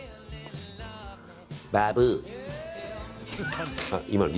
バブー。